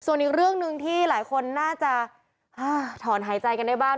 ส่วนอีกเรื่องหนึ่งที่หลายคนน่าจะถอนหายใจกันได้บ้าง